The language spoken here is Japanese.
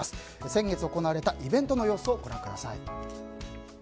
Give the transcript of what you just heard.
先月行われたイベントの様子をご覧ください。